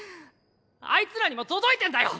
あいつらにも届いてんだよ